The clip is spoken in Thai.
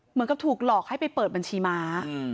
เหมือนกับถูกหลอกให้ไปเปิดบัญชีม้า